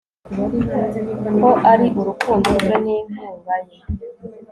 ko ari urukundo rwe n'inkunga ye